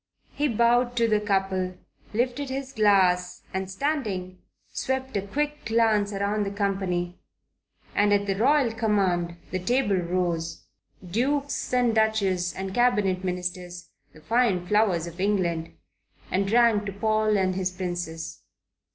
He bowed to the couple, lifted his glass, and standing, swept a quick glance round the company, and at the royal command the table rose, dukes and duchesses and Cabinet Ministers, the fine flowers of England, and drank to Paul and his Princess.